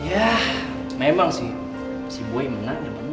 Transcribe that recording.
ya memang sih si boy menang ya menang